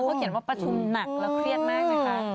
เขาเขียนว่าประชุมหนักแล้วเครียดมากนะคะ